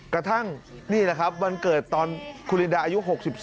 กระทั่งนี่แหละครับวันเกิดตอนคุณลินดาอายุ๖๒